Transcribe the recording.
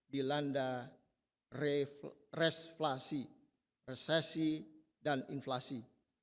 dilanda reflasi resesi dan inflasi